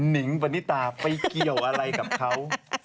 นิงปณิตาไปเกี่ยวอะไรกับเขา